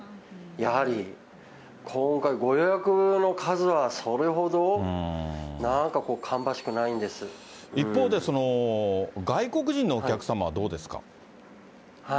やはり、今回、ご予約の数はそれほど、なんか、一方で、外国人のお客様はどうですか？